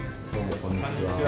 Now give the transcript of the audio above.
こんにちは。